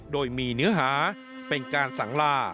โดยมีเนื้อหาเป็นการสังลา